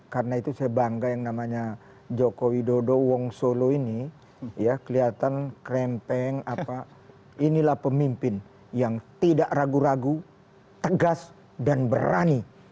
karena itu saya bangga yang namanya jokowi dodo wong solo ini ya kelihatan krempeng apa inilah pemimpin yang tidak ragu ragu tegas dan berani